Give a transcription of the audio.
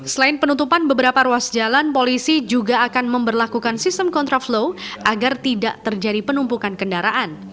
selain penutupan beberapa ruas jalan polisi juga akan memperlakukan sistem kontraflow agar tidak terjadi penumpukan kendaraan